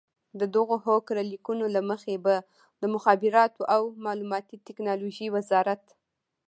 د دغو هوکړه لیکونو له مخې به د مخابراتو او معلوماتي ټکنالوژۍ وزارت